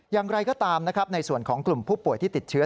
อย่างไรก็ตามนะครับในส่วนของกลุ่มผู้ป่วยที่ติดเชื้อ